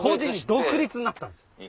独立になったんですよ。